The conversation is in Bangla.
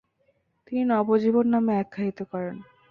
তিনি “নব জীবন” নামে আখ্যায়িত করেন।